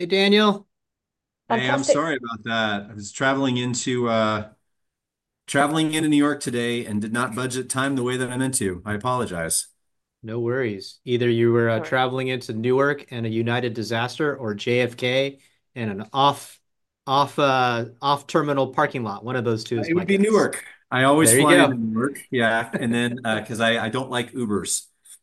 Hey, Daniel. I'm sorry about that. I was traveling into New York today and did not budget time the way that I meant to. I apologize. No worries. Either you were traveling into Newark and a United disaster, or JFK and an off, off, off-terminal parking lot. One of those two is like. It would be Newark. I always fly into Newark. Yeah, because I don't like Ubers.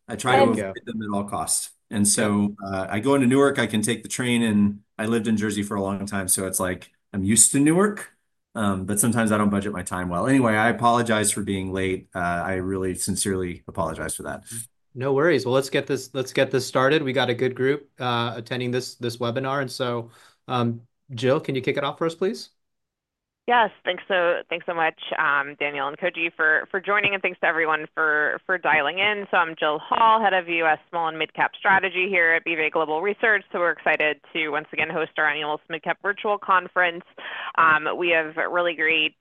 I try to avoid them at all costs. I go into Newark, I can take the train, and I lived in Jersey for a long time. It's like, I'm used to Newark. Sometimes I don't budget my time well. Anyway, I apologize for being late. I really sincerely apologize for that. No worries. Let's get this started. We got a good group attending this webinar. Jill, can you kick it off for us, please? Yes, thanks. Thanks so much, Daniel and Koji, for joining, and thanks to everyone for dialing in. I'm Jill Hall, Head of U.S. Small and Mid-Cap Strategy here at BofA Global Research. We're excited to once again host our annual Smidcap Virtual Conference. We have a really great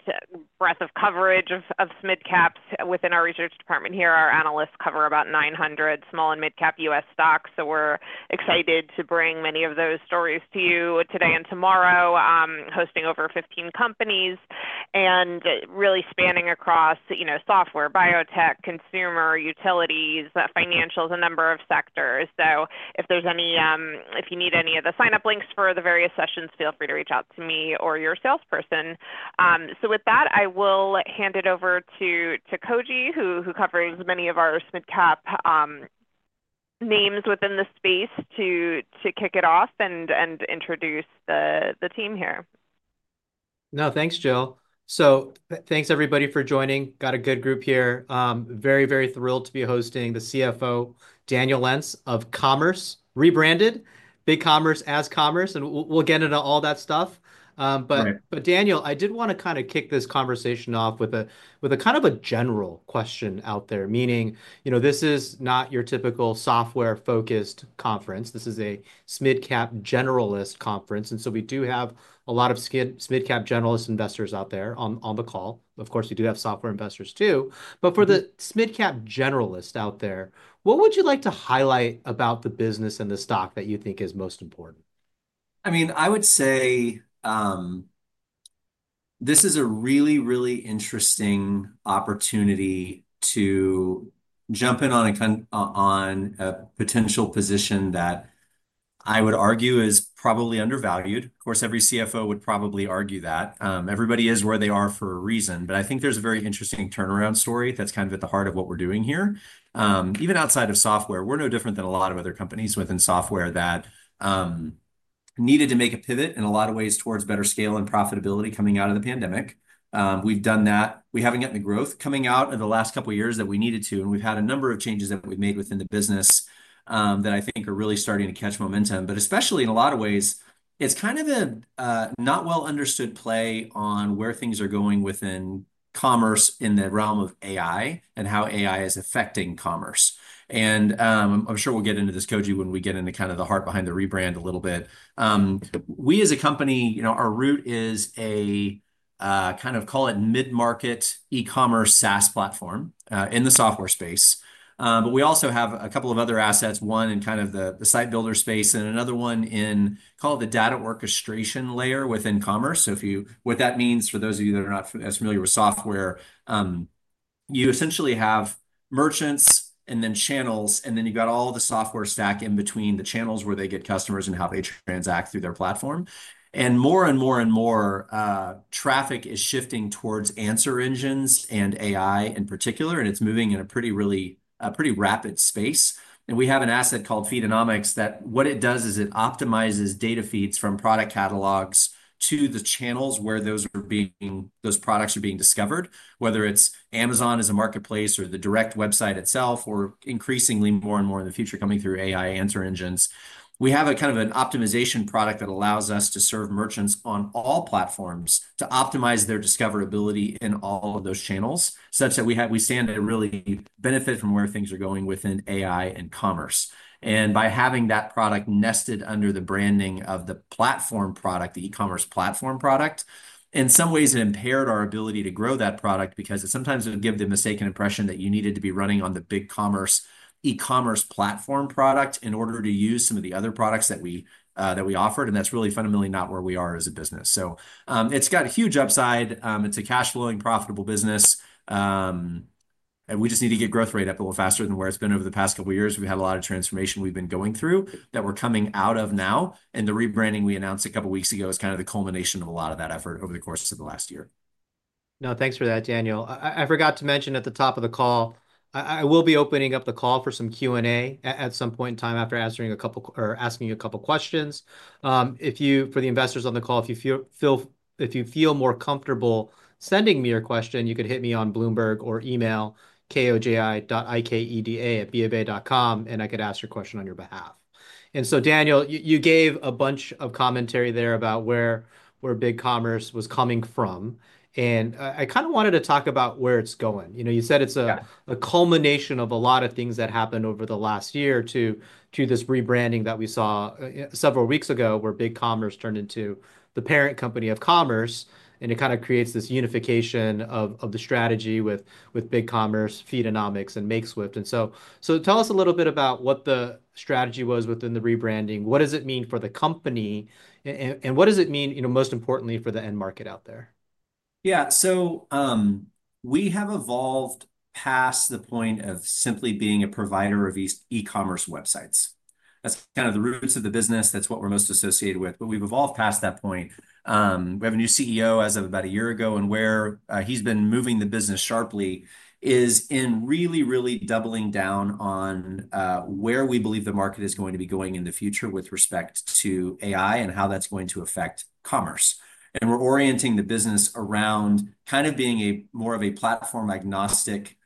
breadth of coverage of Smidcaps within our research department here. Our analysts cover about 900 small and mid-cap U.S. stocks. We're excited to bring many of those stories to you today and tomorrow, hosting over 15 companies and really spanning across software, biotech, consumer, utilities, financials, and a number of sectors. If you need any of the signup links for the various sessions, feel free to reach out to me or your salesperson. With that, I will hand it over to Koji, who covers many of our Smidcap names within the space, to kick it off and introduce the team here. No, thanks, Jill. Thanks everybody for joining. Got a good group here. Very, very thrilled to be hosting the CFO, Daniel Lentz of Commerce, rebranded BigCommerce as Commerce, and we'll get into all that stuff. Daniel, I did want to kick this conversation off with a general question out there, meaning this is not your typical software-focused conference. This is a Smidcap generalist conference. We do have a lot of Smidcap generalist investors out there on the call. Of course, we do have software investors too. For the Smidcap generalists out there, what would you like to highlight about the business and the stock that you think is most important? I mean, I would say this is a really, really interesting opportunity to jump in on a potential position that I would argue is probably undervalued. Of course, every CFO would probably argue that. Everybody is where they are for a reason. I think there's a very interesting turnaround story that's kind of at the heart of what we're doing here. Even outside of software, we're no different than a lot of other companies within software that needed to make a pivot in a lot of ways towards better scale and profitability coming out of the pandemic. We've done that. We haven't gotten the growth coming out of the last couple of years that we needed to, and we've had a number of changes that we've made within the business that I think are really starting to catch momentum. Especially in a lot of ways, it's kind of a not well understood play on where things are going within commerce in the realm of AI and how AI is affecting commerce. I'm sure we'll get into this, Koji, when we get into kind of the heart behind the rebrand a little bit. We as a company, you know, our route is a, kind of call it mid-market e-commerce SaaS platform in the software space. We also have a couple of other assets, one in kind of the site builder space and another one in, call it the data orchestration layer within commerce. If you, what that means for those of you that are not as familiar with software, you essentially have merchants and then channels, and then you've got all the software stack in between the channels where they get customers and how they transact through their platform. More and more and more, traffic is shifting towards answer engines and AI in particular, and it's moving in a pretty, really, pretty rapid space. We have an asset called Feedonomics that, what it does is it optimizes data feeds from product catalogs to the channels where those are being, those products are being discovered, whether it's Amazon as a marketplace or the direct website itself, or increasingly more and more in the future coming through AI answer engines. We have a kind of an optimization product that allows us to serve merchants on all platforms to optimize their discoverability in all of those channels, such that we have, we stand to really benefit from where things are going within AI and commerce. By having that product nested under the branding of the platform product, the e-commerce platform product, in some ways it impaired our ability to grow that product because sometimes it would give the mistaken impression that you needed to be running on the BigCommerce e-commerce platform product in order to use some of the other products that we offered. That's really fundamentally not where we are as a business. It's got a huge upside. It's a cash-flowing, profitable business, and we just need to get growth rate up a little faster than where it's been over the past couple of years. We've had a lot of transformation we've been going through that we're coming out of now. The rebranding we announced a couple of weeks ago is kind of the culmination of a lot of that effort over the course of the last year. No, thanks for that, Daniel. I forgot to mention at the top of the call, I will be opening up the call for some Q&A at some point in time after answering a couple or asking you a couple of questions. For the investors on the call, if you feel more comfortable sending me your question, you could hit me on Bloomberg or email koji.ikeda@bankofamerica.com and I could ask your question on your behalf. Daniel, you gave a bunch of commentary there about where BigCommerce was coming from. I wanted to talk about where it's going. You said it's a culmination of a lot of things that happened over the last year to this rebranding that we saw several weeks ago where BigCommerce turned into the parent company of Commerce. It creates this unification of the strategy with BigCommerce, Feedonomics, and Makeswift. Tell us a little bit about what the strategy was within the rebranding. What does it mean for the company? What does it mean, most importantly, for the end market out there? Yeah, so, we have evolved past the point of simply being a provider of e-commerce websites. That's kind of the roots of the business. That's what we're most associated with. We've evolved past that point. We have a new CEO as of about a year ago, and where he's been moving the business sharply is in really, really doubling down on where we believe the market is going to be going in the future with respect to AI and how that's going to affect commerce. We're orienting the business around being more of a platform-agnostic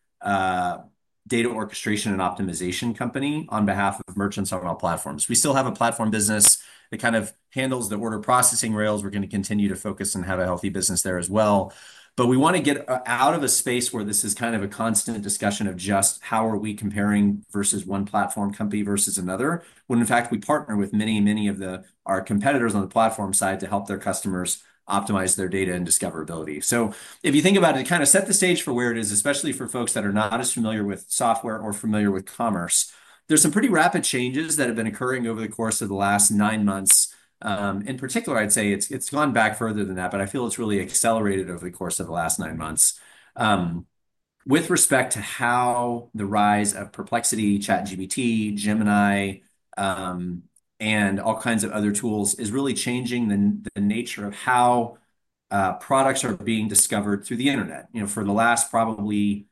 data orchestration and optimization company on behalf of merchants on all platforms. We still have a platform business that handles the order processing rails. We're going to continue to focus and have a healthy business there as well. We want to get out of a space where this is a constant discussion of just how are we comparing versus one platform company versus another, when in fact we partner with many, many of our competitors on the platform side to help their customers optimize their data and discoverability. If you think about it, it kind of sets the stage for where it is, especially for folks that are not as familiar with software or familiar with commerce. There are some pretty rapid changes that have been occurring over the course of the last nine months. In particular, I'd say it's gone back further than that, but I feel it's really accelerated over the course of the last nine months with respect to how the rise of Perplexity, ChatGPT, Gemini, and all kinds of other tools is really changing the nature of how products are being discovered through the internet. For the last probably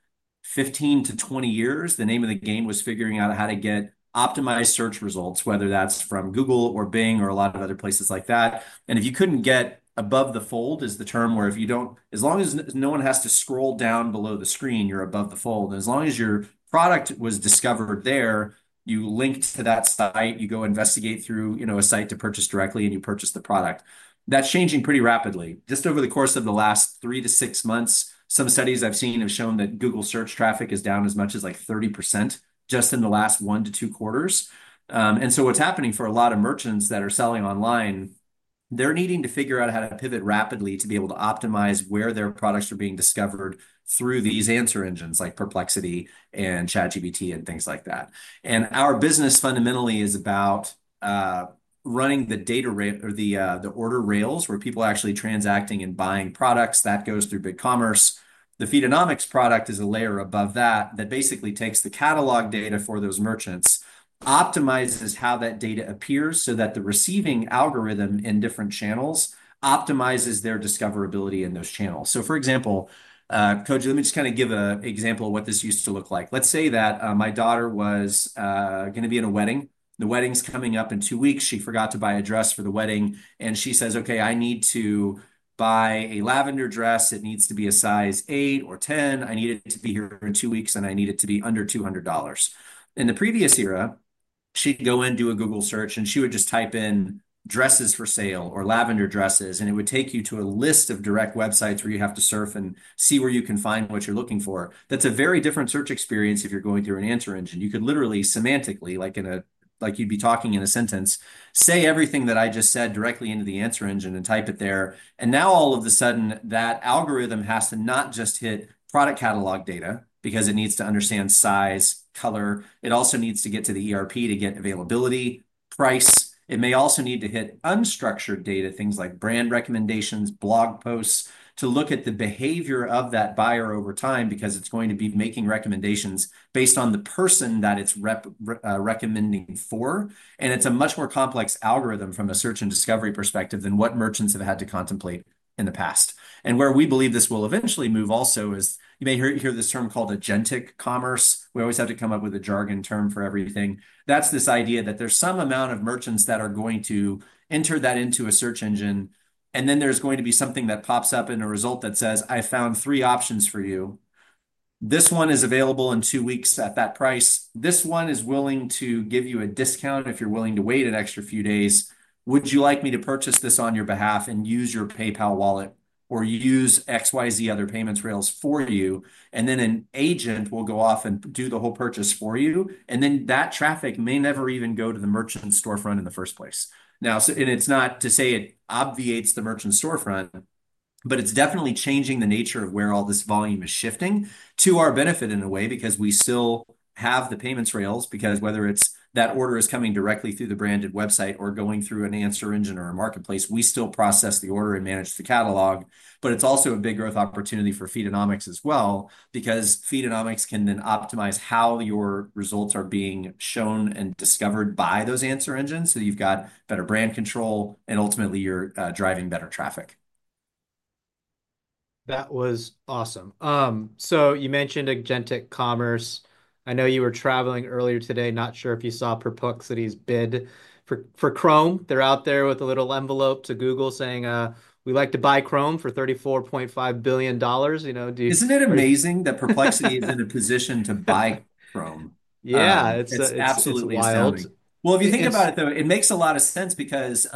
15-20 years, the name of the game was figuring out how to get optimized search results, whether that's from Google or Bing or a lot of other places like that. If you couldn't get above the fold, which is the term where as long as no one has to scroll down below the screen, you're above the fold. As long as your product was discovered there, you linked to that site, you go investigate through a site to purchase directly, and you purchase the product. That's changing pretty rapidly. Just over the course of the last 3-6 months, some studies I've seen have shown that Google search traffic is down as much as 30% just in the last 1-2 quarters. What's happening for a lot of merchants that are selling online is they're needing to figure out how to pivot rapidly to be able to optimize where their products are being discovered through these answer engines like Perplexity and ChatGPT and things like that. Our business fundamentally is about running the data or the order rails where people are actually transacting and buying products that go through BigCommerce. The Feedonomics product is a layer above that that basically takes the catalog data for those merchants, optimizes how that data appears so that the receiving algorithm in different channels optimizes their discoverability in those channels. For example, Koji, let me just give an example of what this used to look like. Let's say that my daughter was going to be in a wedding. The wedding's coming up in two weeks. She forgot to buy a dress for the wedding. She says, "Okay, I need to buy a lavender dress. It needs to be a size eight or ten. I need it to be here in two weeks, and I need it to be under $200." In the previous era, she'd go in, do a Google search, and she would just type in dresses for sale or lavender dresses, and it would take you to a list of direct websites where you have to surf and see where you can find what you're looking for. That's a very different search experience if you're going through an answer engine. You could literally, semantically, like in a, like you'd be talking in a sentence, say everything that I just said directly into the answer engine and type it there. Now all of a sudden, that algorithm has to not just hit product catalog data because it needs to understand size, color. It also needs to get to the ERP to get availability, price. It may also need to hit unstructured data, things like brand recommendations, blog posts, to look at the behavior of that buyer over time because it's going to be making recommendations based on the person that it's recommending for. It's a much more complex algorithm from a search and discovery perspective than what merchants have had to contemplate in the past. Where we believe this will eventually move also is, you may hear this term called agentic commerce. We always have to come up with a jargon term for everything. That's this idea that there's some amount of merchants that are going to enter that into a search engine, and then there's going to be something that pops up in a result that says, "I found three options for you." This one is available in two weeks at that price. This one is willing to give you a discount if you're willing to wait an extra few days. Would you like me to purchase this on your behalf and use your PayPal wallet or use XYZ other payments rails for you? An agent will go off and do the whole purchase for you. That traffic may never even go to the merchant storefront in the first place. It is not to say it obviates the merchant storefront, but it's definitely changing the nature of where all this volume is shifting to our benefit in a way, because we still have the payments rails, because whether that order is coming directly through the branded website or going through an answer engine or a marketplace, we still process the order and manage the catalog. It is also a big growth opportunity for Feedonomics as well, because Feedonomics can then optimize how your results are being shown and discovered by those answer engines. You've got better brand control, and ultimately you're driving better traffic. That was awesome. You mentioned agentic commerce. I know you were traveling earlier today. Not sure if you saw Perplexity's bid for Chrome. They're out there with a little envelope to Google saying, we'd like to buy Chrome for $34.5 billion. You know, do you? Isn't it amazing that Perplexity is in a position to buy Chrome? Yeah, it's absolutely wild. If you think about it though, it makes a lot of sense because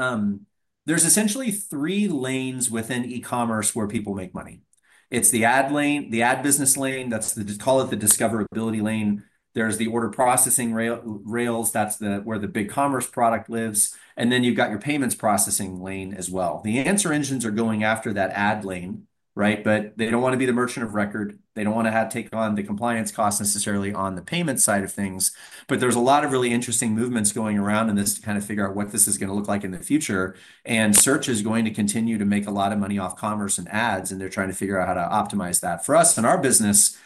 there's essentially three lanes within e-commerce where people make money. It's the ad lane, the ad business lane, that's the, call it the discoverability lane. There's the order processing rails, that's where the BigCommerce product lives. Then you've got your payments processing lane as well. The answer engines are going after that ad lane, right? They don't want to be the merchant of record. They don't want to take on the compliance cost necessarily on the payment side of things. There's a lot of really interesting movements going around in this to kind of figure out what this is going to look like in the future. Search is going to continue to make a lot of money off commerce and ads, and they're trying to figure out how to optimize that for us and our business.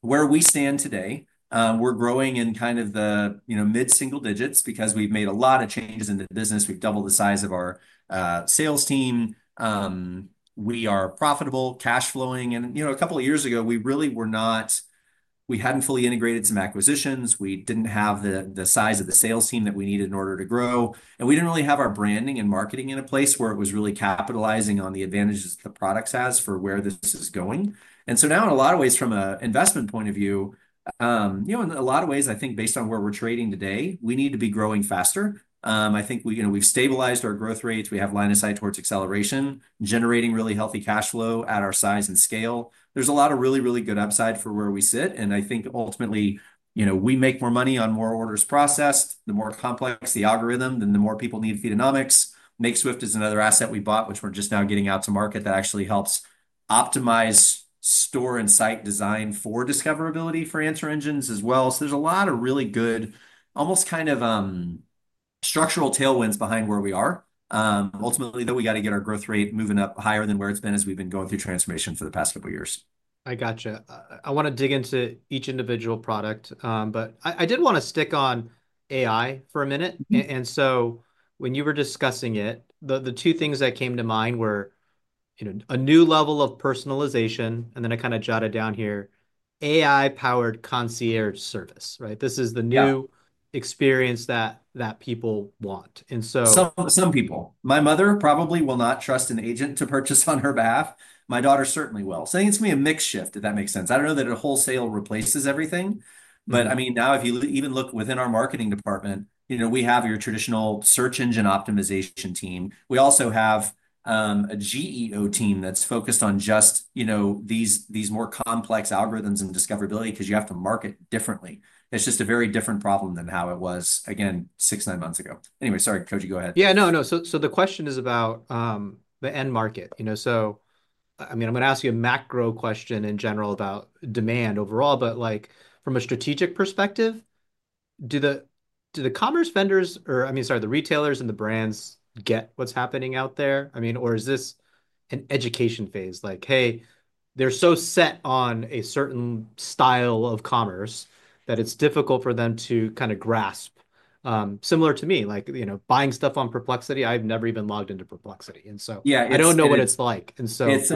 Where we stand today, we're growing in kind of the mid-single digits because we've made a lot of changes in the business. We've doubled the size of our sales team. We are profitable, cash flowing. A couple of years ago, we really were not. We hadn't fully integrated some acquisitions. We didn't have the size of the sales team that we needed in order to grow. We didn't really have our branding and marketing in a place where it was really capitalizing on the advantages that the products have for where this is going. Now, in a lot of ways, from an investment point of view, in a lot of ways, I think based on where we're trading today, we need to be growing faster. I think we've stabilized our growth rates. We have line of sight towards acceleration, generating really healthy cash flow at our size and scale. There's a lot of really, really good upside for where we sit. I think ultimately, we make more money on more orders processed. The more complex the algorithm, then the more people need Feedonomics. Makeswift is another asset we bought, which we're just now getting out to market that actually helps optimize store and site design for discoverability for answer engines as well. There's a lot of really good, almost kind of structural tailwinds behind where we are. Ultimately, though, we got to get our growth rate moving up higher than where it's been as we've been going through transformation for the past couple of years. I gotcha. I want to dig into each individual product, but I did want to stick on AI for a minute. When you were discussing it, the two things that came to mind were, you know, a new level of personalization. I kind of jotted down here, AI-powered concierge service, right? This is the new experience that people want. Some people, my mother probably will not trust an agent to purchase on her behalf. My daughter certainly will. I think it's going to be a mixed shift, if that makes sense. I don't know that a wholesale replaces everything. Now if you even look within our marketing department, you know, we have your traditional search engine optimization team. We also have a GEO team that's focused on just, you know, these more complex algorithms and discoverability because you have to market differently. It's just a very different problem than how it was, again, six, nine months ago. Anyway, sorry, Koji, go ahead. The question is about the end market. I'm going to ask you a macro question in general about demand overall, but from a strategic perspective, do the retailers and the brands get what's happening out there? Is this an education phase? Like, hey, they're so set on a certain style of commerce that it's difficult for them to kind of grasp. Similar to me, like buying stuff on Perplexity, I've never even logged into Perplexity. I don't know what it's like. It's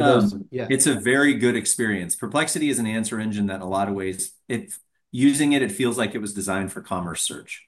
a very good experience. Perplexity is an answer engine that, in a lot of ways, it's using it. It feels like it was designed for commerce search,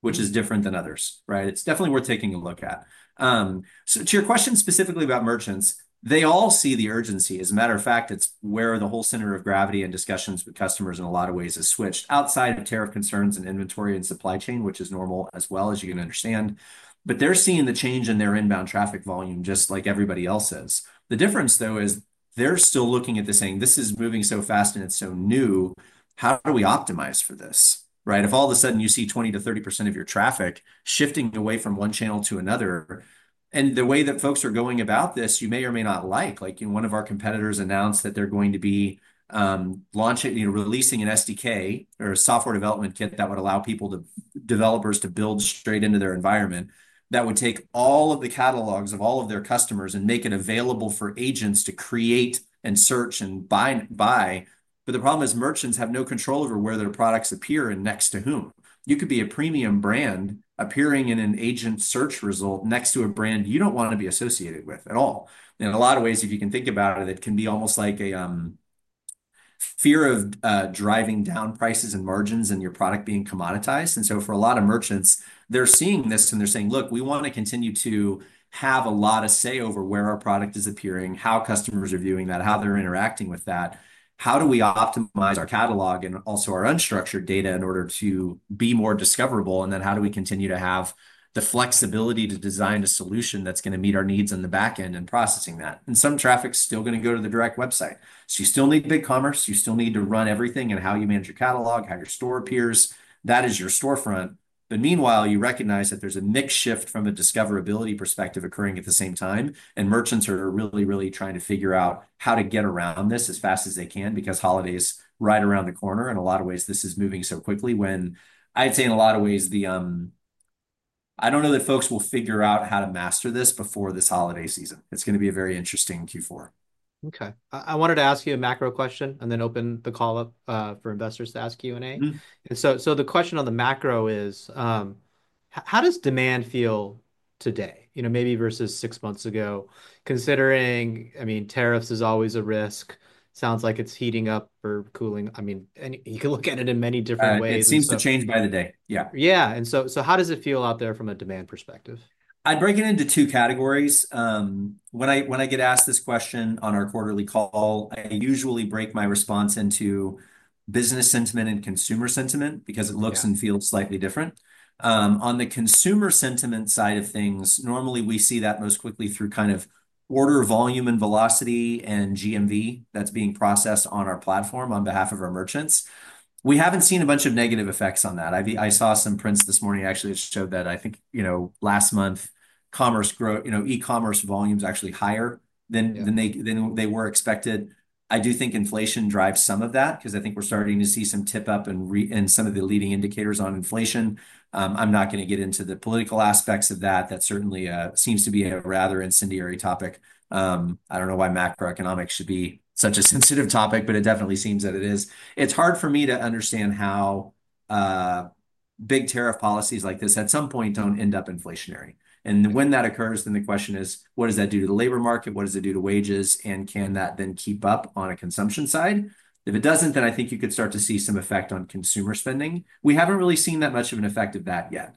which is different than others, right? It's definitely worth taking a look at. To your question specifically about merchants, they all see the urgency. As a matter of fact, it's where the whole center of gravity and discussions with customers, in a lot of ways, has switched outside of tariff concerns and inventory and supply chain, which is normal as well, as you can understand. They're seeing the change in their inbound traffic volume, just like everybody else is. The difference, though, is they're still looking at this saying, this is moving so fast and it's so new. How do we optimize for this, right? If all of a sudden you see 20%-30% of your traffic shifting away from one channel to another, and the way that folks are going about this, you may or may not like, like in one of our competitors announced that they're going to be launching, releasing an SDK or a software development kit that would allow people, developers, to build straight into their environment that would take all of the catalogs of all of their customers and make it available for agents to create and search and buy. The problem is merchants have no control over where their products appear and next to whom. You could be a premium brand appearing in an agent search result next to a brand you don't want to be associated with at all. In a lot of ways, if you can think about it, it can be almost like a fear of driving down prices and margins and your product being commoditized. For a lot of merchants, they're seeing this and they're saying, look, we want to continue to have a lot of say over where our product is appearing, how customers are viewing that, how they're interacting with that. How do we optimize our catalog and also our unstructured data in order to be more discoverable? How do we continue to have the flexibility to design a solution that's going to meet our needs on the back end and processing that? Some traffic is still going to go to the direct website. You still need the BigCommerce. You still need to run everything and how you manage your catalog, how your store appears. That is your storefront. Meanwhile, you recognize that there's a mixed shift from a discoverability perspective occurring at the same time. Merchants are really, really trying to figure out how to get around this as fast as they can because holidays are right around the corner. In a lot of ways, this is moving so quickly. I don't know that folks will figure out how to master this before this holiday season. It's going to be a very interesting Q4. Okay. I wanted to ask you a macro question and then open the call up for investors to ask Q&A. The question on the macro is, how does demand feel today? You know, maybe versus six months ago, considering, I mean, tariffs is always a risk. Sounds like it's heating up or cooling. I mean, you can look at it in many different ways. It seems to change by the day. Yeah. How does it feel out there from a demand perspective? I'd break it into two categories. When I get asked this question on our quarterly call, I usually break my response into business sentiment and consumer sentiment because it looks and feels slightly different. On the consumer sentiment side of things, normally we see that most quickly through order volume and velocity and GMV that's being processed on our platform on behalf of our merchants. We haven't seen a bunch of negative effects on that. I saw some prints this morning actually that showed that I think, you know, last month, commerce growth, you know, e-commerce volumes actually higher than they were expected. I do think inflation drives some of that because I think we're starting to see some tip up in some of the leading indicators on inflation. I'm not going to get into the political aspects of that. That certainly seems to be a rather incendiary topic. I don't know why macroeconomics should be such a sensitive topic, but it definitely seems that it is. It's hard for me to understand how big tariff policies like this at some point don't end up inflationary. When that occurs, then the question is, what does that do to the labor market? What does it do to wages? Can that then keep up on a consumption side? If it doesn't, then I think you could start to see some effect on consumer spending. We haven't really seen that much of an effect of that yet.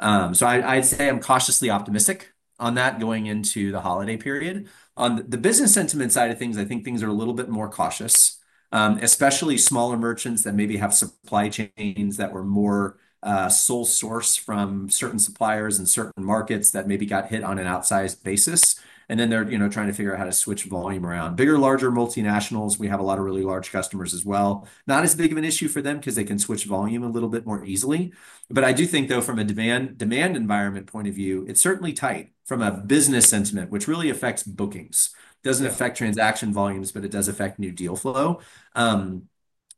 I'd say I'm cautiously optimistic on that going into the holiday period. On the business sentiment side of things, I think things are a little bit more cautious, especially smaller merchants that maybe have supply chains that were more sole source from certain suppliers in certain markets that maybe got hit on an outsized basis. They're trying to figure out how to switch volume around. Bigger, larger multinationals, we have a lot of really large customers as well. Not as big of an issue for them because they can switch volume a little bit more easily. I do think, though, from a demand environment point of view, it's certainly tight from a business sentiment, which really affects bookings. It doesn't affect transaction volumes, but it does affect new deal flow.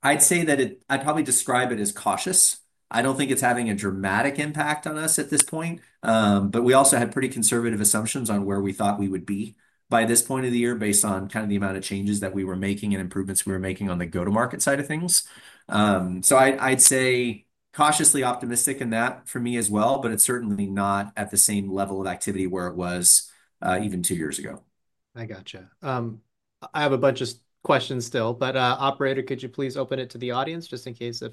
I'd say that I'd probably describe it as cautious. I don't think it's having a dramatic impact on us at this point. We also had pretty conservative assumptions on where we thought we would be by this point of the year based on the amount of changes that we were making and improvements we were making on the go-to-market side of things. I'd say cautiously optimistic in that for me as well, but it's certainly not at the same level of activity where it was, even two years ago. I gotcha. I have a bunch of questions still. Operator, could you please open it to the audience just in case they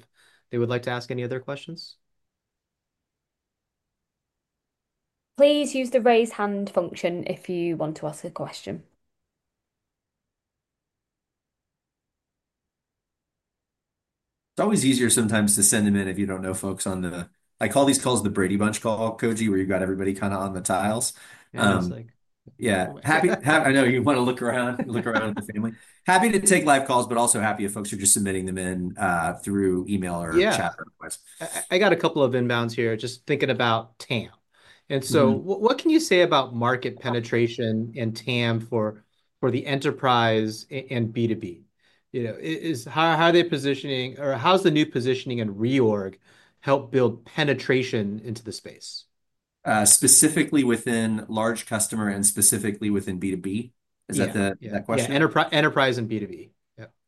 would like to ask any other questions? Please use the raise hand function if you want to ask a question. It's always easier sometimes to send them in if you don't know folks on the, I call these calls the Brady Bunch call, Koji, where you've got everybody kind of on the tiles. Yeah. Happy, I know you want to look around, look around at the family. Happy to take live calls, but also happy if folks are just submitting them in through email or chat or whatever. I got a couple of inbounds here just thinking about TAM. What can you say about market penetration and TAM for the enterprise and B2B? How are they positioning or how's the new positioning and reorg help build penetration into the space? Specifically within large customer and specifically within B2B? Is that the question? Enterprise and B2B.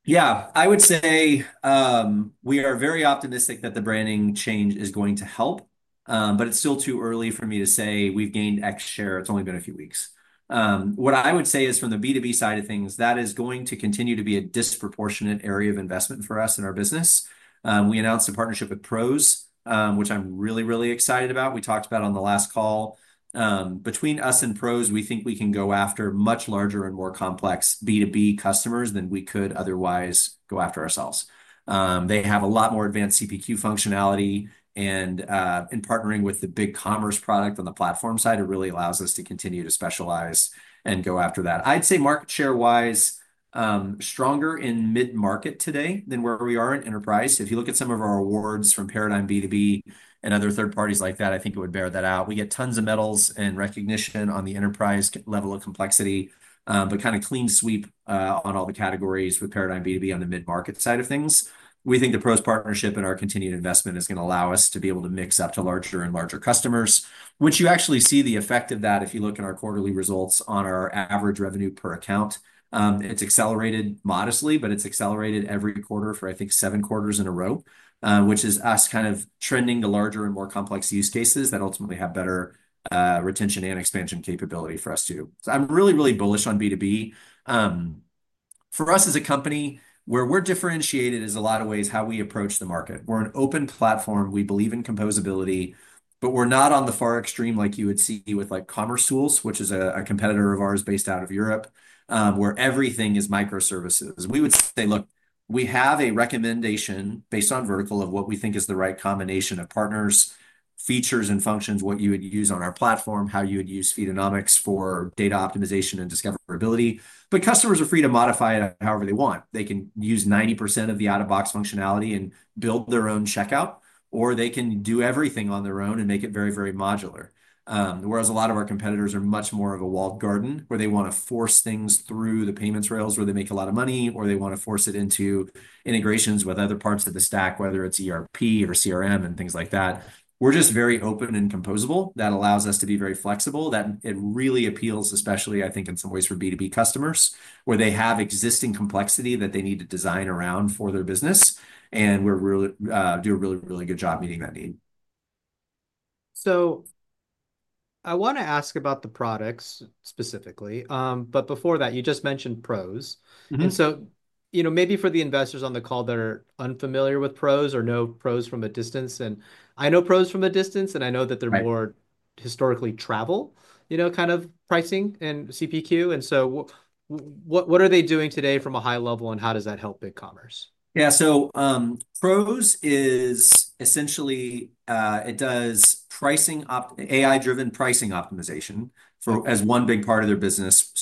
Yeah, I would say we are very optimistic that the branding change is going to help, but it's still too early for me to say we've gained X share. It's only been a few weeks. What I would say is from the B2B side of things, that is going to continue to be a disproportionate area of investment for us in our business. We announced a partnership with PROS, which I'm really, really excited about. We talked about on the last call, between us and PROS, we think we can go after much larger and more complex B2B customers than we could otherwise go after ourselves. They have a lot more advanced CPQ functionality and, in partnering with the BigCommerce product on the platform side, it really allows us to continue to specialize and go after that. I'd say market share-wise, stronger in mid-market today than where we are in enterprise. If you look at some of our awards from Paradigm B2B and other third parties like that, I think it would bear that out. We get tons of medals and recognition on the enterprise level of complexity, but kind of clean sweep on all the categories with Paradigm B2B on the mid-market side of things. We think the PROS partnership and our continued investment is going to allow us to be able to mix up to larger and larger customers, which you actually see the effect of that if you look at our quarterly results on our average revenue per account. It's accelerated modestly, but it's accelerated every quarter for, I think, seven quarters in a row, which is us kind of trending to larger and more complex use cases that ultimately have better retention and expansion capability for us too. I'm really, really bullish on B2B. For us as a company, where we're differentiated is a lot of ways how we approach the market. We're an open platform. We believe in composability, but we're not on the far extreme like you would see with like Commerce Tools, which is a competitor of ours based out of Europe, where everything is microservices. We would say, look, we have a recommendation based on vertical of what we think is the right combination of partners, features, and functions, what you would use on our platform, how you would use Feedonomics for data optimization and discoverability. Customers are free to modify it however they want. They can use 90% of the out-of-box functionality and build their own checkout, or they can do everything on their own and make it very, very modular. Whereas a lot of our competitors are much more of a walled garden, where they want to force things through the payments rails where they make a lot of money, or they want to force it into integrations with other parts of the stack, whether it's ERP or CRM and things like that. We're just very open and composable. That allows us to be very flexible. It really appeals, especially, I think, in some ways for B2B customers where they have existing complexity that they need to design around for their business. We do a really, really good job meeting that need. I want to ask about the products specifically. Before that, you just mentioned PROS. For the investors on the call that are unfamiliar with PROS or know PROS from a distance, I know PROS from a distance, and I know that they're more historically travel, you know, kind of pricing and CPQ. What are they doing today from a high level and how does that help BigCommerce? Yeah, so, PROS is essentially, it does pricing op, AI-driven pricing optimization for, as one big part of their business.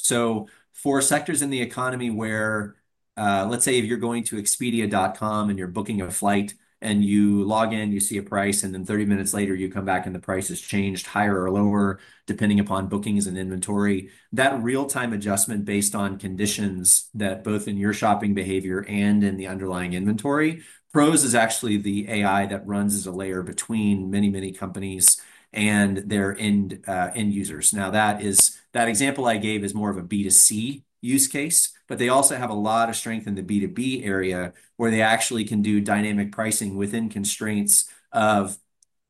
For sectors in the economy where, let's say if you're going to Expedia.com and you're booking a flight and you log in, you see a price, and then 30 minutes later you come back and the price has changed higher or lower depending upon bookings and inventory, that real-time adjustment based on conditions that both in your shopping behavior and in the underlying inventory, PROS is actually the AI that runs as a layer between many, many companies and their end users. That example I gave is more of a B2C use case, but they also have a lot of strength in the B2B area where they actually can do dynamic pricing within constraints of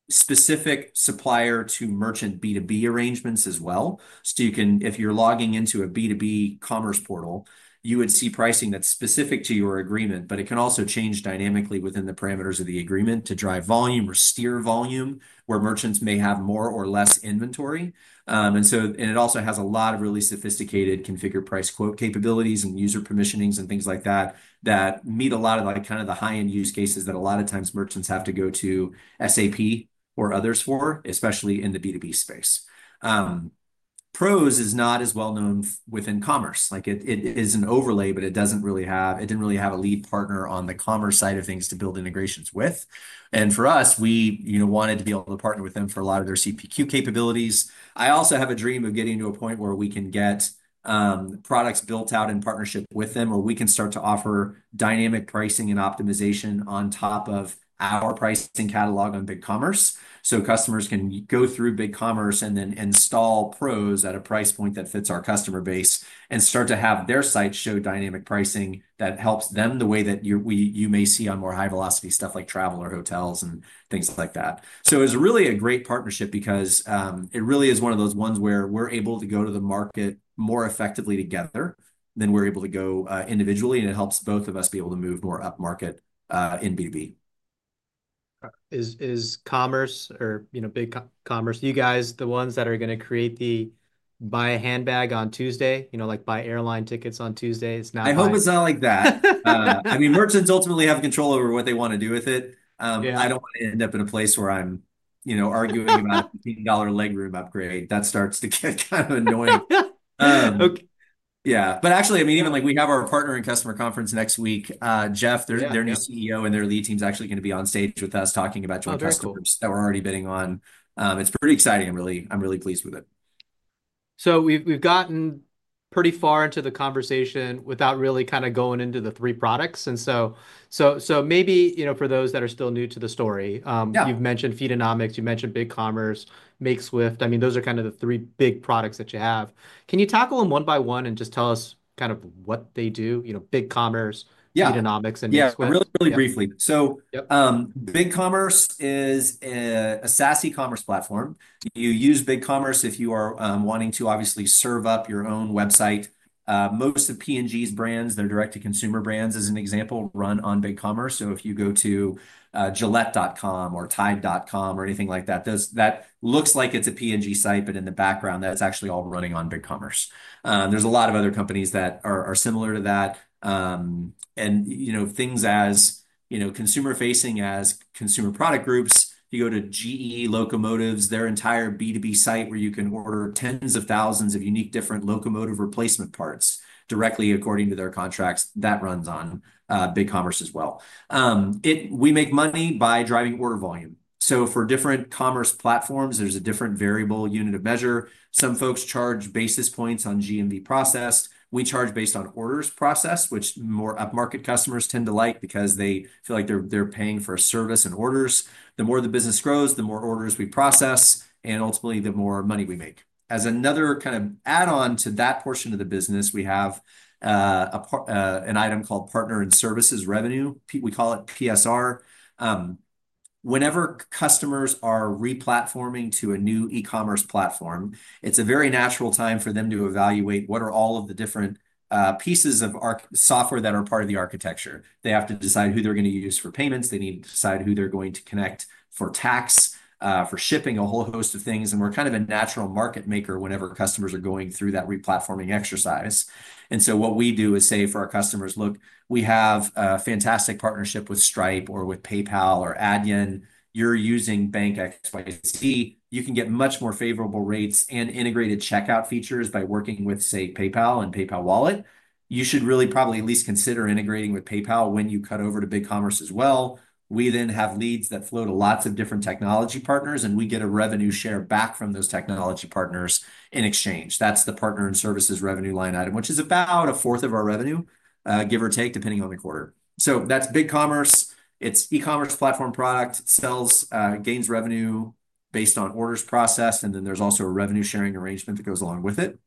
specific supplier to merchant B2B arrangements as well. If you're logging into a B2B commerce portal, you would see pricing that's specific to your agreement, but it can also change dynamically within the parameters of the agreement to drive volume or steer volume where merchants may have more or less inventory. It also has a lot of really sophisticated configure, price, quote capabilities and user permissioning and things like that that meet a lot of the high-end use cases that a lot of times merchants have to go to SAP or others for, especially in the B2B space. PROS is not as well known within commerce. It is an overlay, but it doesn't really have, it didn't really have a lead partner on the commerce side of things to build integrations with. For us, we wanted to be able to partner with them for a lot of their CPQ capabilities. I also have a dream of getting to a point where we can get products built out in partnership with them where we can start to offer dynamic pricing and optimization on top of our pricing catalog on BigCommerce. Customers can go through BigCommerce and then install PROS at a price point that fits our customer base and start to have their sites show dynamic pricing that helps them the way that you may see on more high-velocity stuff like travel or hotels and things like that. It's really a great partnership because it really is one of those ones where we're able to go to the market more effectively together than we're able to go individually. It helps both of us be able to move more up market, in B2B. Is Commerce or, you know, BigCommerce, you guys the ones that are going to create the buy a handbag on Tuesday, you know, like buy airline tickets on Tuesdays? I hope it's not like that. I mean, merchants ultimately have control over what they want to do with it. I don't want to end up in a place where I'm, you know, arguing about an $80 legroom upgrade. That starts to get kind of annoying. Okay. Yeah. Actually, even like we have our partner and customer conference next week. Jeff, their new CEO, and their lead team are actually going to be on stage with us talking about transactions that we're already bidding on. It's pretty exciting. I'm really pleased with it. We've gotten pretty far into the conversation without really kind of going into the three products. Maybe, you know, for those that are still new to the story, you've mentioned Feedonomics, you mentioned BigCommerce, Makeswift. I mean, those are kind of the three big products that you have. Can you tackle them one by one and just tell us kind of what they do? You know, BigCommerce, Feedonomics, and Makeswift. Yeah, really, really briefly. BigCommerce is a SaaS e-commerce platform. You use BigCommerce if you are wanting to obviously serve up your own website. Most of P&G's brands, their direct-to-consumer brands as an example, run on BigCommerce. If you go to Gillette.com or Tide.com or anything like that, that looks like it's a P&G site, but in the background, that's actually all running on BigCommerce. There are a lot of other companies that are similar to that. Things as consumer-facing as consumer product groups, you go to GE Locomotives, their entire B2B site where you can order tens of thousands of unique different locomotive replacement parts directly according to their contracts, that runs on BigCommerce as well. We make money by driving order volume. For different commerce platforms, there's a different variable unit of measure. Some folks charge basis points on GMV processed. We charge based on orders processed, which more upmarket customers tend to like because they feel like they're paying for a service and orders. The more the business grows, the more orders we process, and ultimately the more money we make. As another kind of add-on to that portion of the business, we have an item called partner and services revenue. We call it PSR. Whenever customers are re-platforming to a new e-commerce platform, it's a very natural time for them to evaluate what are all of the different pieces of our software that are part of the architecture. They have to decide who they're going to use for payments. They need to decide who they're going to connect for tax, for shipping, a whole host of things. We're kind of a natural market maker whenever customers are going through that re-platforming exercise. What we do is say for our customers, look, we have a fantastic partnership with Stripe or with PayPal or Adyen. You're using Bank XYZ. You can get much more favorable rates and integrated checkout features by working with, say, PayPal and PayPal Wallet. You should really probably at least consider integrating with PayPal when you cut over to BigCommerce as well. We then have leads that flow to lots of different technology partners, and we get a revenue share back from those technology partners in exchange. That's the partner and services revenue line item, which is about a fourth of our revenue, give or take, depending on the quarter. That's BigCommerce. It's e-commerce platform product, sells, gains revenue based on orders processed, and then there's also a revenue sharing arrangement that goes along with it.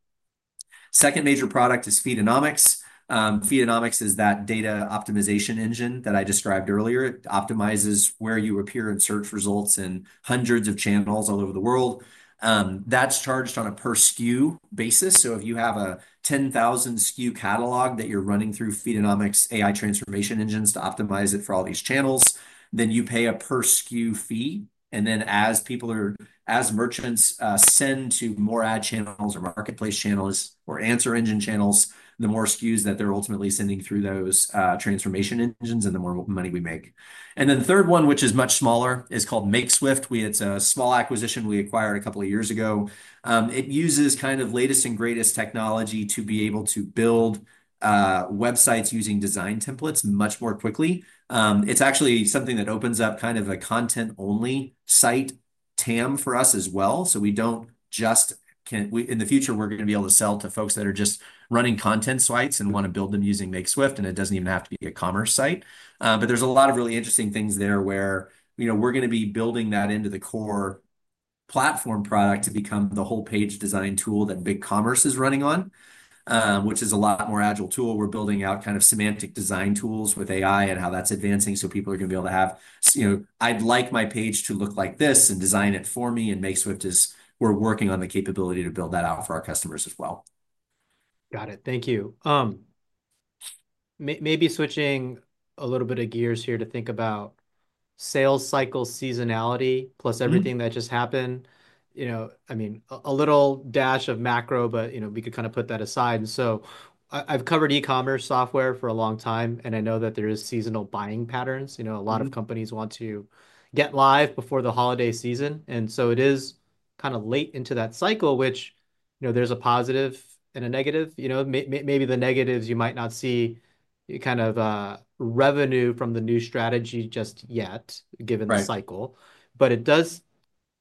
Second major product is Feedonomics. Feedonomics is that data optimization engine that I described earlier. It optimizes where you appear in search results in hundreds of channels all over the world. That's charged on a per SKU basis. If you have a 10,000 SKU catalog that you're running through Feedonomics AI transformation engines to optimize it for all these channels, then you pay a per SKU fee. As merchants send to more ad channels or marketplace channels or answer engine channels, the more SKUs that they're ultimately sending through those transformation engines and the more money we make. The third one, which is much smaller, is called Makeswift. It's a small acquisition we acquired a couple of years ago. It uses kind of latest and greatest technology to be able to build websites using design templates much more quickly. It's actually something that opens up kind of a content-only site TAM for us as well. We don't just can, we, in the future, we're going to be able to sell to folks that are just running content sites and want to build them using Makeswift, and it doesn't even have to be a commerce site. There's a lot of really interesting things there where, you know, we're going to be building that into the core platform product to become the whole page design tool that BigCommerce is running on, which is a lot more agile tool. We're building out kind of semantic design tools with AI and how that's advancing. People are going to be able to have, you know, I'd like my page to look like this and design it for me. Makeswift is, we're working on the capability to build that out for our customers as well. Got it. Thank you. Maybe switching a little bit of gears here to think about sales cycle seasonality plus everything that just happened. I mean, a little dash of macro, but we could kind of put that aside. I've covered e-commerce software for a long time, and I know that there are seasonal buying patterns. A lot of companies want to get live before the holiday season. It is kind of late into that cycle, which, there's a positive and a negative. Maybe the negatives, you might not see revenue from the new strategy just yet, given the cycle, but it does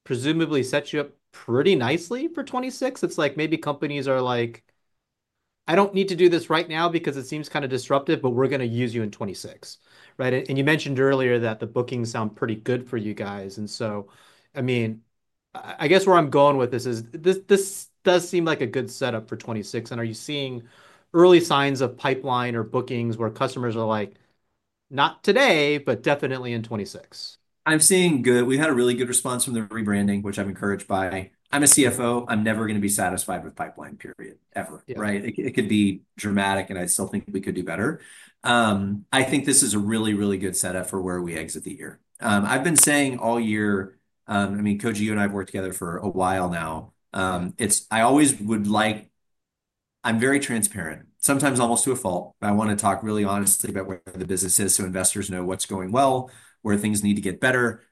presumably set you up pretty nicely for 2026. It's like maybe companies are like, I don't need to do this right now because it seems kind of disruptive, but we're going to use you in 2026, right? You mentioned earlier that the bookings sound pretty good for you guys. I guess where I'm going with this is this does seem like a good setup for 2026. Are you seeing early signs of pipeline or bookings where customers are like, not today, but definitely in 2026? I'm seeing good. We had a really good response from the rebranding, which I'm encouraged by. I'm a CFO. I'm never going to be satisfied with pipeline period ever, right? It could be dramatic, and I still think we could do better. I think this is a really, really good setup for where we exit the year. I've been saying all year, I mean, Koji, you and I have worked together for a while now. I always would like, I'm very transparent, sometimes almost to a fault, but I want to talk really honestly about where the business is so investors know what's going well, where things need to get better.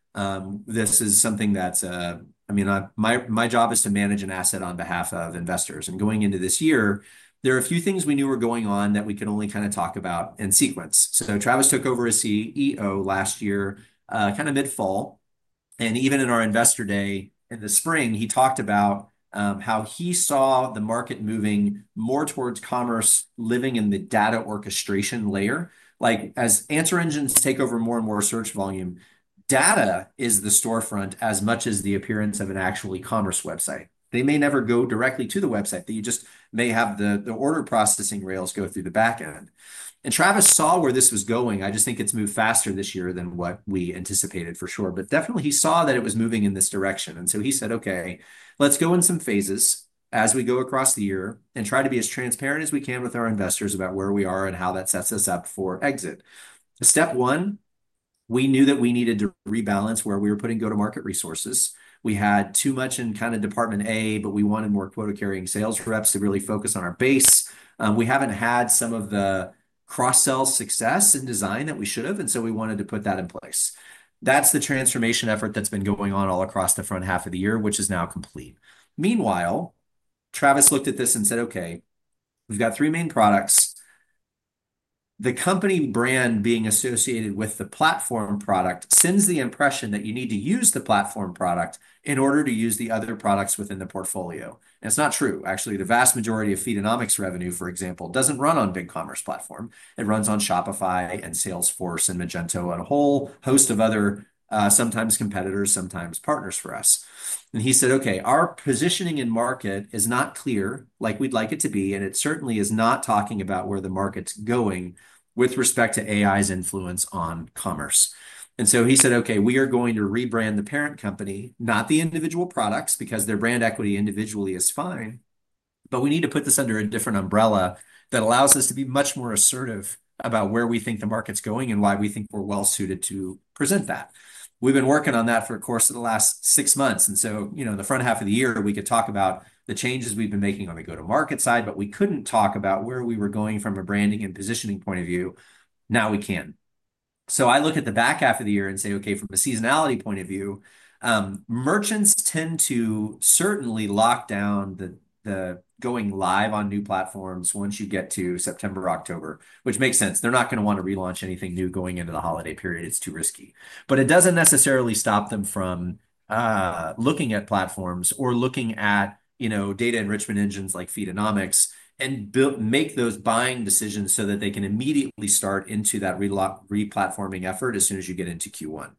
This is something that's, I mean, my job is to manage an asset on behalf of investors. Going into this year, there are a few things we knew were going on that we could only kind of talk about and sequence. Travis took over as CEO last year, kind of mid-fall. Even in our investor day in the spring, he talked about how he saw the market moving more towards commerce, living in the data orchestration layer. Like as answer engines take over more and more search volume, data is the storefront as much as the appearance of an actual commerce website. They may never go directly to the website, but you just may have the order processing rails go through the back end. Travis saw where this was going. I just think it's moved faster this year than what we anticipated for sure, but definitely he saw that it was moving in this direction. He said, okay, let's go in some phases as we go across the year and try to be as transparent as we can with our investors about where we are and how that sets us up for exit. Step one, we knew that we needed to rebalance where we were putting go-to-market resources. We had too much in kind of department A, but we wanted more quota-carrying sales reps to really focus on our base. We haven't had some of the cross-sell success and design that we should have. We wanted to put that in place. That's the transformation effort that's been going on all across the front half of the year, which is now complete. Meanwhile, Travis looked at this and said, okay, we've got three main products. The company brand being associated with the platform product sends the impression that you need to use the platform product in order to use the other products within the portfolio. It's not true. Actually, the vast majority of Feedonomics revenue, for example, doesn't run on BigCommerce platform. It runs on Shopify and Salesforce and Magento and a whole host of other, sometimes competitors, sometimes partners for us. He said, okay, our positioning in market is not clear like we'd like it to be. It certainly is not talking about where the market's going with respect to AI's influence on commerce. He said, okay, we are going to rebrand the parent company, not the individual products because their brand equity individually is fine, but we need to put this under a different umbrella that allows us to be much more assertive about where we think the market's going and why we think we're well suited to present that. We've been working on that for the course of the last six months. In the front half of the year, we could talk about the changes we've been making on the go-to-market side, but we couldn't talk about where we were going from a branding and positioning point of view. Now we can. I look at the back half of the year and say, okay, from a seasonality point of view, merchants tend to certainly lock down the going live on new platforms once you get to September, October, which makes sense. They're not going to want to relaunch anything new going into the holiday period. It's too risky, but it doesn't necessarily stop them from looking at platforms or looking at data enrichment engines like Feedonomics and make those buying decisions so that they can immediately start into that replatforming effort as soon as you get into Q1.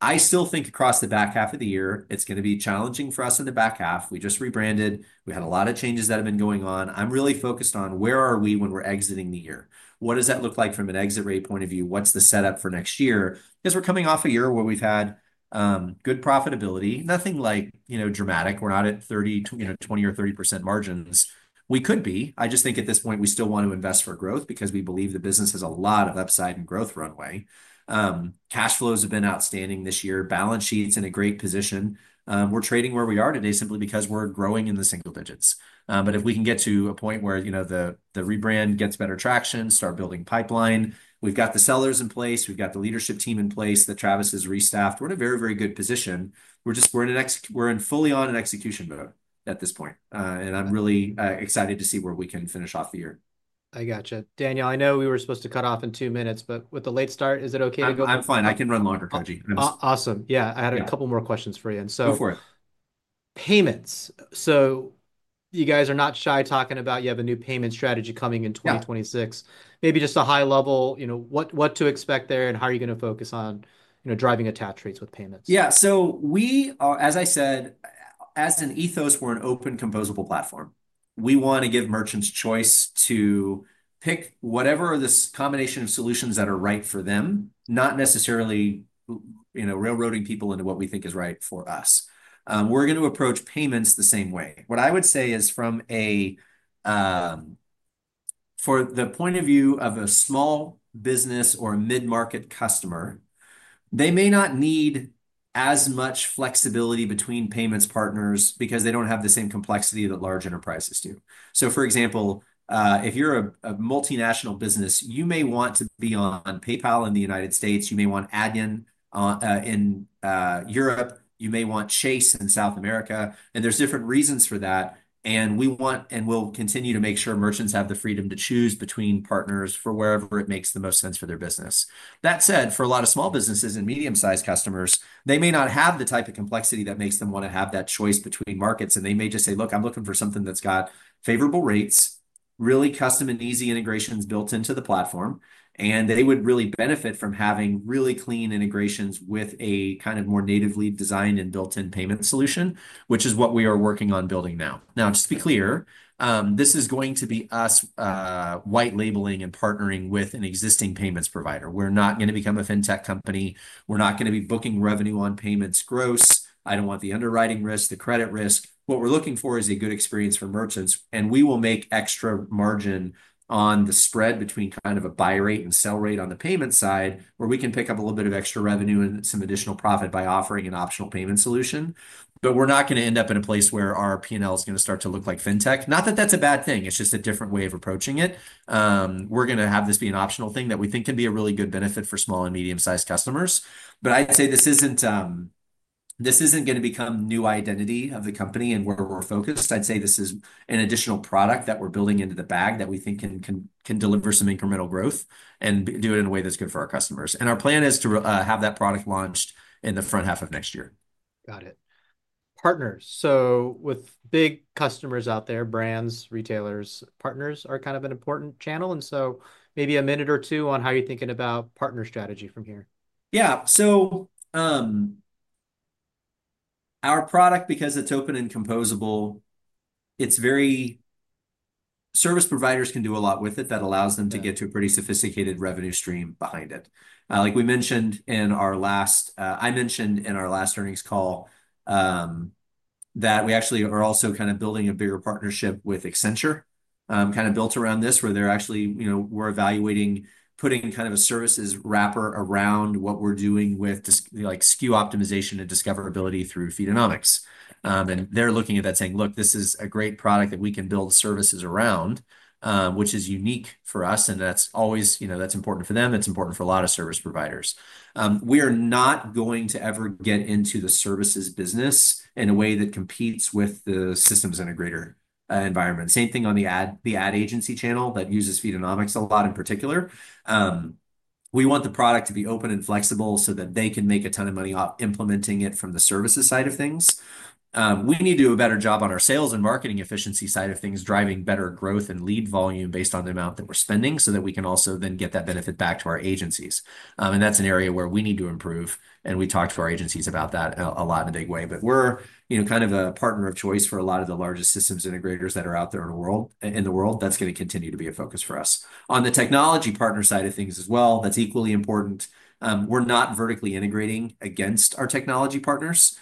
I still think across the back half of the year, it's going to be challenging for us in the back half. We just rebranded. We had a lot of changes that have been going on. I'm really focused on where are we when we're exiting the year. What does that look like from an exit rate point of view? What's the setup for next year? We're coming off a year where we've had good profitability, nothing like, you know, dramatic. We're not at 20%-30% margins. We could be. I just think at this point we still want to invest for growth because we believe the business has a lot of upside and growth runway. Cash flows have been outstanding this year. Balance sheet's in a great position. We're trading where we are today simply because we're growing in the single digits. If we can get to a point where the rebrand gets better traction, start building pipeline, we've got the sellers in place, we've got the leadership team in place that Travis has restaffed, we're in a very, very good position. We're fully on an execution mode at this point, and I'm really excited to see where we can finish off the year. I gotcha. Daniel, I know we were supposed to cut off in two minutes, but with the late start, is it okay to go? I'm fine. I can run longer, Koji. Awesome. Yeah, I had a couple more questions for you. Go for it. Payments. You guys are not shy talking about you have a new payment strategy coming in 2026. Maybe just a high level, you know, what to expect there and how are you going to focus on, you know, driving attach rates with payments? Yeah. As I said, as an ethos, we're an open composable platform. We want to give merchants choice to pick whatever the combination of solutions that are right for them, not necessarily railroading people into what we think is right for us. We're going to approach payments the same way. What I would say is from the point of view of a small business or a mid-market customer, they may not need as much flexibility between payments partners because they don't have the same complexity that large enterprises do. For example, if you're a multinational business, you may want to be on PayPal in the United States. You may want Adyen in Europe. You may want Chase in South America. There are different reasons for that. We want, and we'll continue to make sure merchants have the freedom to choose between partners for wherever it makes the most sense for their business. That said, for a lot of small businesses and medium-sized customers, they may not have the type of complexity that makes them want to have that choice between markets. They may just say, look, I'm looking for something that's got favorable rates, really custom and easy integrations built into the platform. They would really benefit from having really clean integrations with a kind of more natively designed and built-in payment solution, which is what we are working on building now. Just to be clear, this is going to be us white labeling and partnering with an existing payments provider. We're not going to become a fintech company. We're not going to be booking revenue on payments gross. I don't want the underwriting risk, the credit risk. What we're looking for is a good experience for merchants. We will make extra margin on the spread between kind of a buy rate and sell rate on the payment side, where we can pick up a little bit of extra revenue and some additional profit by offering an optional payment solution. We're not going to end up in a place where our P&L is going to start to look like fintech. Not that that's a bad thing. It's just a different way of approaching it. We're going to have this be an optional thing that we think can be a really good benefit for small and medium-sized customers. I'd say this isn't going to become new identity of the company and where we're focused. I'd say this is an additional product that we're building into the bag that we think can deliver some incremental growth and do it in a way that's good for our customers. Our plan is to have that product launched in the front half of next year. Got it. Partners. With big customers out there, brands, retailers, partners are kind of an important channel. Maybe a minute or two on how you're thinking about partner strategy from here. Yeah. Our product, because it's open and composable, service providers can do a lot with it that allows them to get to a pretty sophisticated revenue stream behind it. Like I mentioned in our last earnings call, we actually are also kind of building a bigger partnership with Accenture, kind of built around this where they're actually, you know, we're evaluating putting kind of a services wrapper around what we're doing with SKU optimization and discoverability through Feedonomics. They're looking at that saying, look, this is a great product that we can build services around, which is unique for us. That's always, you know, that's important for them. That's important for a lot of service providers. We are not going to ever get into the services business in a way that competes with the systems integrator environment. Same thing on the ad agency channel that uses Feedonomics a lot in particular. We want the product to be open and flexible so that they can make a ton of money off implementing it from the services side of things. We need to do a better job on our sales and marketing efficiency side of things, driving better growth and lead volume based on the amount that we're spending so that we can also then get that benefit back to our agencies. That's an area where we need to improve. We talk to our agencies about that a lot in a big way, but we're, you know, kind of a partner of choice for a lot of the largest systems integrators that are out there in the world. That's going to continue to be a focus for us. On the technology partner side of things as well, that's equally important. We're not vertically integrating against our technology partners.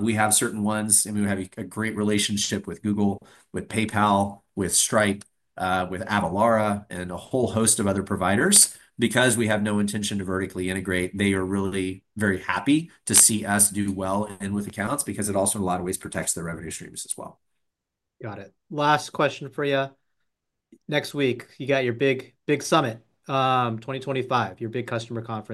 We have certain ones, and we have a great relationship with Google, with PayPal, with Stripe, with Avalara, and a whole host of other providers. Because we have no intention to vertically integrate, they are really very happy to see us do well in with accounts because it also, in a lot of ways, protects their revenue streams as well. Got it. Last question for you. Next week, you got your big, big summit, 2025, your big customer conference.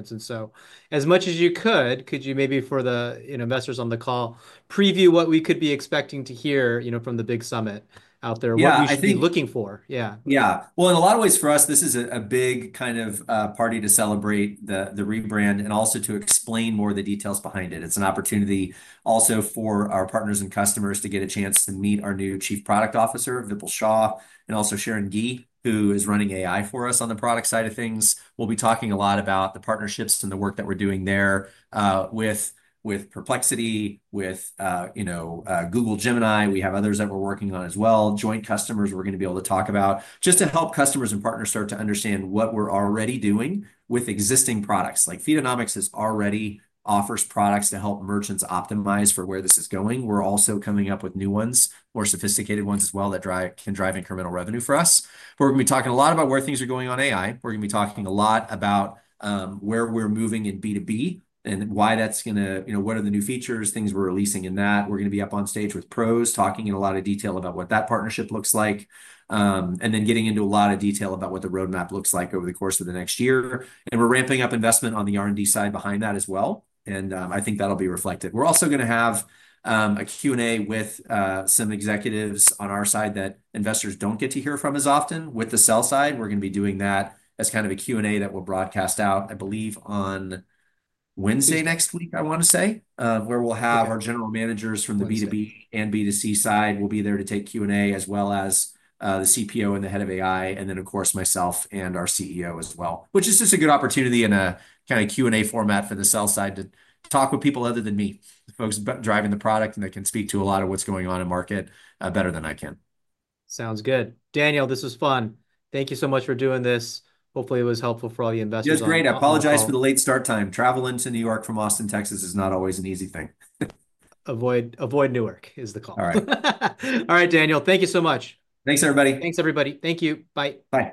As much as you could, could you maybe for the investors on the call preview what we could be expecting to hear from the big summit out there? What you should be looking for? Yeah. Yeah. In a lot of ways for us, this is a big kind of party to celebrate the rebrand and also to explain more of the details behind it. It's an opportunity also for our partners and customers to get a chance to meet our new Chief Product Officer, Vipul Shaw, and also Sharon Gee, who is running AI for us on the product side of things. We'll be talking a lot about the partnerships and the work that we're doing there, with Perplexity, with Google Gemini. We have others that we're working on as well, joint customers we're going to be able to talk about just to help customers and partners start to understand what we're already doing with existing products. Like Feedonomics already offers products to help merchants optimize for where this is going. We're also coming up with new ones, more sophisticated ones as well that can drive incremental revenue for us. We're going to be talking a lot about where things are going on AI. We're going to be talking a lot about where we're moving in B2B and why that's going to, you know, what are the new features, things we're releasing in that. We're going to be up on stage with PROS talking in a lot of detail about what that partnership looks like, and then getting into a lot of detail about what the roadmap looks like over the course of the next year. We're ramping up investment on the R&D side behind that as well. I think that'll be reflected. We're also going to have a Q&A with some executives on our side that investors don't get to hear from as often with the sell side. We're going to be doing that as kind of a Q&A that we'll broadcast out, I believe, on Wednesday next week, I want to say, where we'll have our general managers from the B2B and B2C side. We'll be there to take Q&A as well as the CPO and the Head of AI, and then, of course, myself and our CEO as well, which is just a good opportunity in a kind of Q&A format for the sell side to talk with people other than me, folks driving the product, and they can speak to a lot of what's going on in the market better than I can. Sounds good. Daniel, this was fun. Thank you so much for doing this. Hopefully, it was helpful for all the investors. You're great. I apologize for the late start time. Traveling to New York from Austin, Texas, is not always an easy thing. Avoid Newark is the call. All right. All right, Daniel. Thank you so much. Thanks, everybody. Thanks, everybody. Thank you. Bye. Bye.